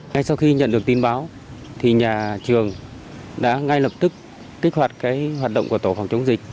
ngay sau khi nhận được tin báo thì nhà trường đã ngay lập tức kích hoạt hoạt động của tổ phòng chống dịch